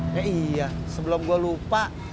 ya iya sebelum gue lupa